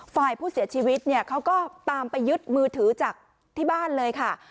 ฝ่ายผู้เสียชีวิตเนี่ยเขาก็ตามไปยึดมือถือจากที่บ้านเลยค่ะ